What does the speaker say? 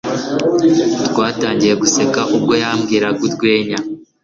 Twatangiye guseka ubwo yabwiraga urwenya